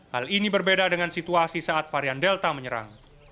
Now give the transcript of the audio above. hal ini berbeda dengan situasi saat varian delta menyerang